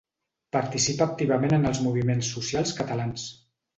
Participa activament en els moviments socials catalans.